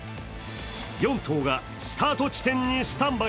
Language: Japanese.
４頭がスタート地点にスタンバイ。